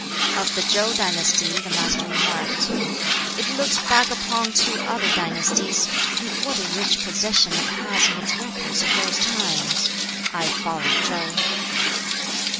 Of the Chow dynasty the Master remarked, "It looks back upon two other dynasties; and what a rich possession it has in its records of those times! I follow Chow!"